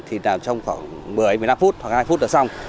thì làm trong khoảng một mươi một mươi năm phút hoặc hai phút là xong